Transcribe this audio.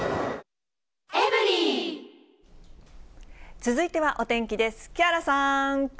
続いてはお天気です。